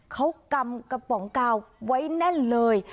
เขากำกระป๋องกาวไว้แน่นเลย